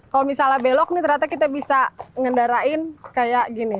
kalau misalnya belok nih ternyata kita bisa ngendarain kayak gini